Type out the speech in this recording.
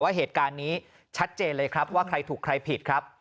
เหตุการณ์นี้ชัดเจนเลยครับว่าใครถูกใครผิดครับ